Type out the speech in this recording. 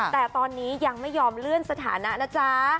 แต่ตอนนี้ยังไม่ยอมเลื่อนสถานะนะจ๊ะ